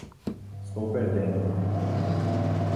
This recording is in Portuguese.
Estou perdendo.